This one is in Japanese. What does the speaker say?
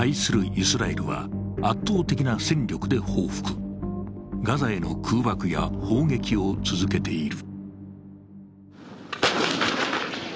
イスラエルは、圧倒的な戦力で報復、ガザへの空爆や砲撃を続けている。